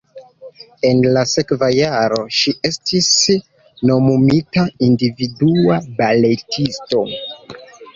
En la sekva jaro ŝi estis nomumita individua baletisto.